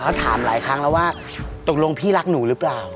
เขาถามหลายครั้งแล้วว่าตกลงพี่รักหนูหรือเปล่า